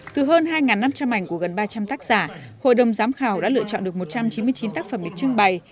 từ hơn hai năm trăm linh ảnh của gần ba trăm linh tác giả hội đồng giám khảo đã lựa chọn được một trăm chín mươi chín tác phẩm được trưng bày